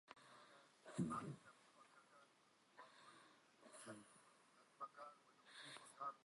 هەر هاتمە شام، گیر نەبووم چوومە حەڵەب